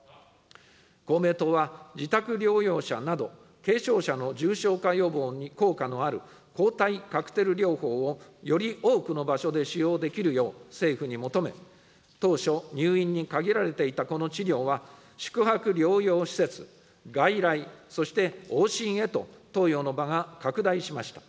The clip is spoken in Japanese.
公明党は自宅療養者など、軽症者の重症化予防に効果のある、抗体カクテル療法をより多くの場所で使用できるよう政府に求め、当初、入院に限られていたこの治療は、宿泊療養施設、外来、そして往診へと、投与の場が拡大しました。